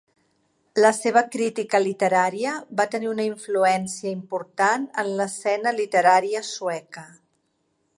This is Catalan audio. La seva crítica literària va tenir una influència important en l'escena literària sueca.